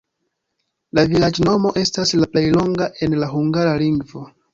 Tiu vilaĝnomo estas la plej longa en la hungara lingvo.